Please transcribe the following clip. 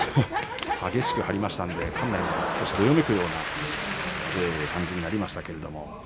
激しく張りましたので館内もどよめく感じになりました。